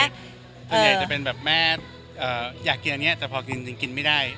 ส่วนใหญ่จะเป็นแบบแม่อยากกินอันนี้แต่พอกินไม่ได้